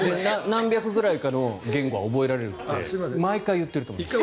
何百ぐらいの言語は言語は覚えられるので毎回言っていると思います。